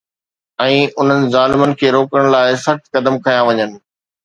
۽ انهن ظالمن کي روڪڻ لاءِ سخت قدم کنيا وڃن